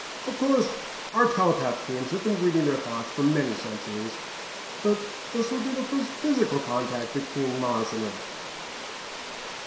Of course our telepath teams have been reading their thoughts for many centuries, but this will be the first physical contact between Mars and Earth."